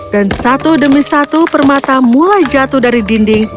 dan satu demi satu permata mulai jatuh dari dinding